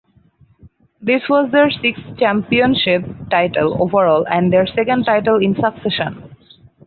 This was their sixth championship title overall and their second title in succession.